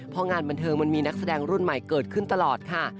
เพราะงานบันเทิงมันมีนักแสดงรุ่นใหม่เกิดขึ้นตลอดค่ะ